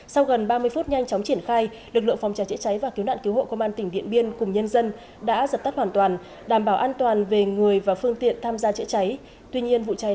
sau gần ba mươi phút nhanh chóng triển khai lực lượng phòng cháy chữa cháy và cứu nạn cứu hộ công an tỉnh điện biên cùng nhân dân đã dập tắt hoàn toàn đảm bảo an toàn về người và phương tiện tham gia chữa cháy